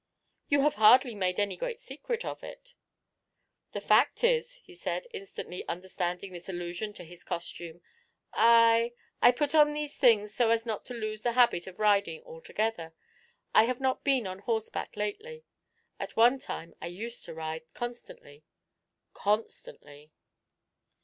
'You have hardly made any great secret of it.' 'The fact is,' he said, instantly understanding this allusion to his costume, 'I I put on these things so as not to lose the habit of riding altogether I have not been on horseback lately. At one time I used to ride constantly constantly.